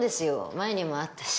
前にもあったし。